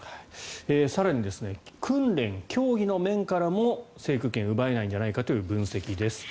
更に、訓練の面からも制空権が奪えないんじゃないかという分析です。